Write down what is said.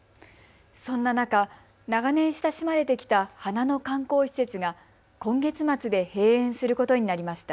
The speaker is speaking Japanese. そんな中、長年親しまれてきた花の観光施設が今月末で閉園することになりました。